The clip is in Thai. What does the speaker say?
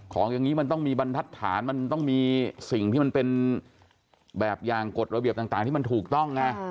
อย่างนี้มันต้องมีบรรทัศน์มันต้องมีสิ่งที่มันเป็นแบบอย่างกฎระเบียบต่างที่มันถูกต้องไง